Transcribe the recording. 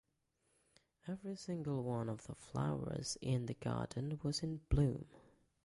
Every single one of the flowers in the garden was in bloom.